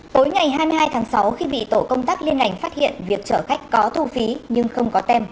tối ngày hai mươi hai tháng sáu khi bị tổ công tác liên ngành phát hiện việc chở khách có thu phí nhưng không có tem